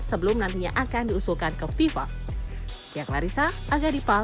sebelum nantinya akan diusulkan ke fifa